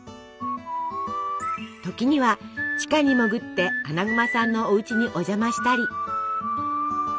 時には地下に潜ってアナグマさんのおうちにお邪魔したり。